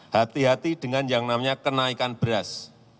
hati hati dengan yang namanya kenaikan beras